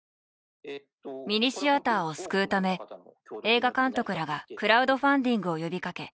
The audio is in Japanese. ミニシアターを救うため映画監督らがクラウドファンディングを呼びかけ